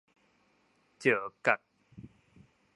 石角